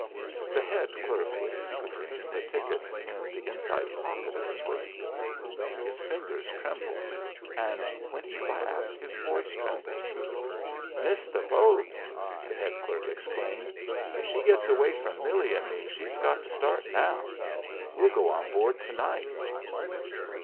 The head clerk was secreting the tickets in the inside pocket of his waistcoat. His fingers trembled, and when he laughed his voice trembled. "Miss the boat!" the head clerk exclaimed. "If she gets away from Millie and me she's got to start now. We'll go on board to night!"